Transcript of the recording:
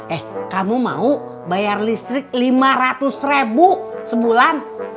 eh kamu mau bayar listrik lima ratus ribu sebulan